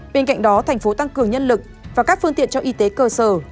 bên cạnh đó thành phố tăng cường nhân lực và các phương tiện cho y tế cơ sở